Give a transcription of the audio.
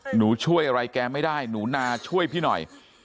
หนูช่วยอะไรแกไม่ได้หนูนาช่วยพี่หน่อย